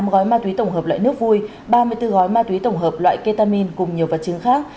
chín mươi tám gói ma túy tổng hợp loại nước vui ba mươi bốn gói ma túy tổng hợp loại ketamin cùng nhiều vật chứng khác